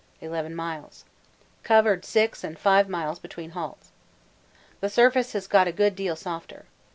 11 miles. Covered 6 and 5 miles between halts. The surface has got a good deal softer.